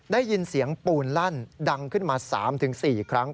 ได้ยินเสียงปูนลั่นดังขึ้นมา๓๔ครั้ง